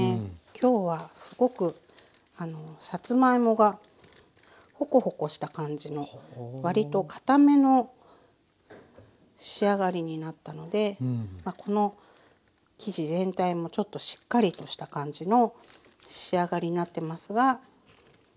今日はすごくさつまいもがホコホコした感じの割りとかための仕上がりになったのでこの生地全体もちょっとしっかりとした感じの仕上がりになってますが。